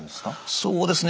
そうですね